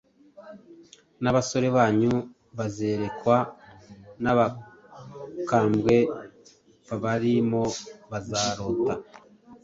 n’abasore banyu bazerekwa, n’abakambwe babarimo bazarota.